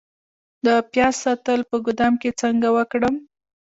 د پیاز ساتل په ګدام کې څنګه وکړم؟